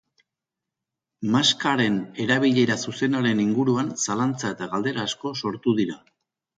Maskaren erabilera zuzenaren inguruan zalantza eta galdera asko sortu dira.